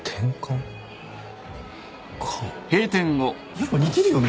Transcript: やっぱ似てるよね。